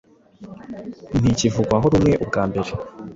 ntikivugwaho rumwe Ubwa mbere